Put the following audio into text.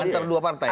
antara dua partai